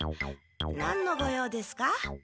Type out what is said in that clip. なんのご用ですか？